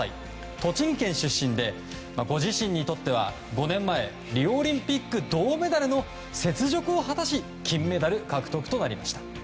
栃木県出身でご自身にとっては５年前リオオリンピック銅メダルの雪辱を果たし金メダル獲得となりました。